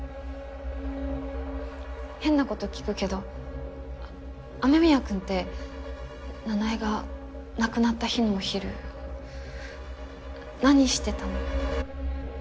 変な事聞くけど雨宮くんって奈々江が亡くなった日のお昼何してたの？